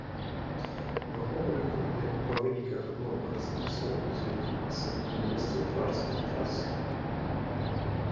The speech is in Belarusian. Вагоны выкананы па выніках новых распрацовак з улікам асаблівасцяў пражскай трасы.